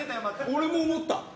俺も思った。